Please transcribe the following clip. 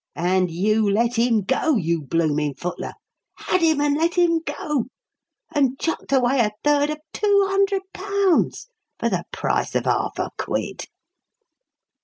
And you let him go, you blooming footler! Had him and let him go, and chucked away a third of £200 for the price of half a quid!"